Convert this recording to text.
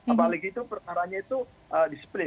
apalagi itu perkaranya itu disiplin